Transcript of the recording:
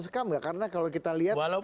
sekam nggak karena kalau kita lihat